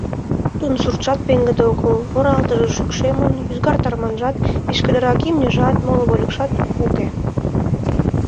Тудын суртшат пеҥгыде огыл, оралтыже шӱкшемын, ӱзгар-тарманжат вишкыдырак, имньыжат, моло вольыкшат уке.